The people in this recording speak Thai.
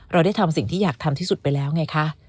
เราได้ทำสิ่งที่อยากทำที่สุดไปแล้วไงคะ